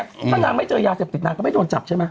ถ้างักไม่เจอยาเสมอติดนักก็ไม่โทนจับฉันมะ